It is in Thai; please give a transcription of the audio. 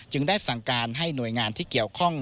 ได้สั่งการให้หน่วยงานที่เกี่ยวข้อง